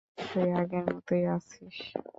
তুই আগের মতই আছিস।